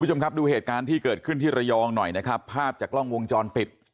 คุณผู้ชมครับดูเหตุการณ์ที่เกิดขึ้นที่ระยองหน่อยนะครับภาพจากกล้องวงจรปิด